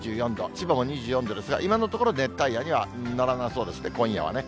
千葉も２４度ですが、今のところ、熱帯夜にはならなそうですね、今夜はね。